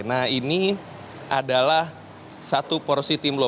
nah ini adalah satu porsi timlo